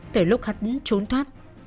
từ lúc hắn trốn thoát